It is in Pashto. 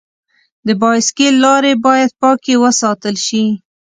د بایسکل لارې باید پاکې وساتل شي.